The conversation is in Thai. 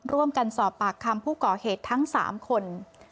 ร่วมกันสอบปากคำผู้ก่อเหตุทั้ง๓คน